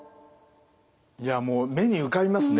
いやもう目に浮かびますね。